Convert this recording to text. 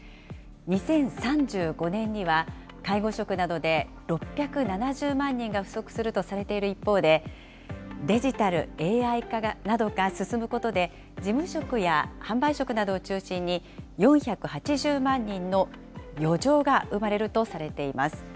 ２０３５年には、介護職などで６７０万人が不足するとされている一方で、デジタル・ＡＩ化などが進むことで、事務職や販売職などを中心に４８０万人の余剰が生まれるとされています。